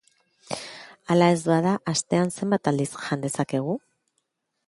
Hala ez bada, astean zenbat aldiz jan dezakegu?